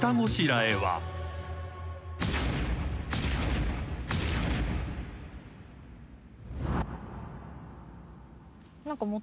えっ！？